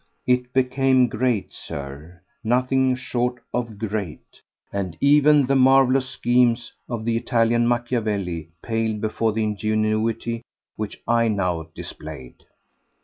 It became great, Sir; nothing short of great; and even the marvellous schemes of the Italian Macchiavelli paled before the ingenuity which I now displayed.